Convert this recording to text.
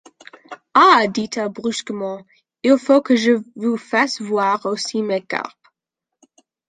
Ah ! dit-elle brusquement, il faut que je vous fasse voir aussi mes carpes.